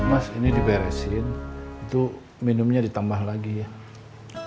mas ini diberesin itu minumnya ditambahin ke tempat lain